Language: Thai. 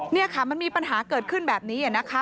นี่ค่ะมันมีปัญหาเกิดขึ้นแบบนี้นะคะ